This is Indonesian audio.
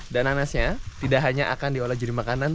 dan nanasnya tidak hanya akan diolah jadi makanan